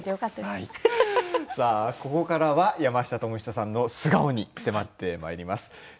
ここからは山下智久さんの素顔に迫ってまいります。